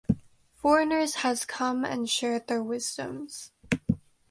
Foreigners has come and shared their wisdoms.